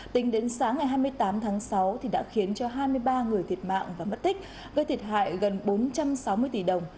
tính đến sáng ngày hai mươi tám tháng sáu đã khiến cho hai mươi ba người thiệt mạng và mất tích gây thiệt hại gần bốn trăm sáu mươi tỷ đồng